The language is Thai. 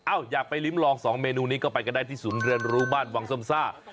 อยากไปลิ้มลอง๒เมนูนี้ก็ไปกันได้ที่ศูนย์เรียนรู้บ้านวังส้มซ่า